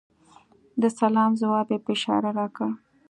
د سلام ځواب یې په اشاره راکړ .